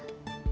saya mau setol